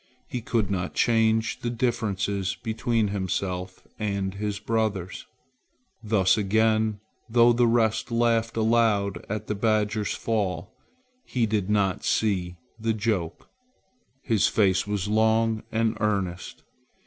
He could not change the differences between himself and his brothers. Thus again, though the rest laughed aloud at the badger's fall, he did not see the joke. His face was long and earnest.